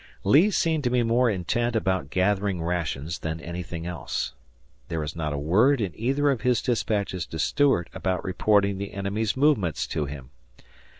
Lee seemed to be more intent about gathering rations than anything else. There is not a word in either of his dispatches to Stuart about reporting the enemy's movements to him.